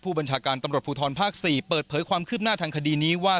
บัญชาการตำรวจภูทรภาค๔เปิดเผยความคืบหน้าทางคดีนี้ว่า